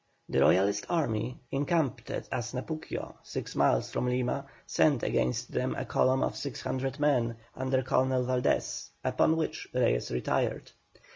The Royalist army, encamped at Asnapuquio, six miles from Lima, sent against them a column of 600 men, under Colonel Valdés, upon which Reyes retired.